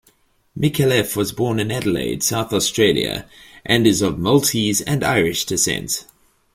Micallef was born in Adelaide, South Australia, and is of Maltese and Irish descent.